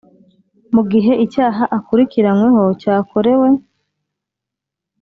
Mu gihe icyaha akurikiranyweho cyakorewe.